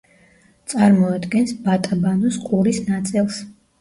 წარმოადგენს ბატაბანოს ყურის ნაწილს.